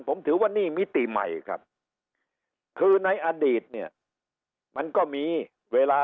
ผมถือว่านี่มิติใหม่ครับคือในอดีตเนี่ยมันก็มีเวลา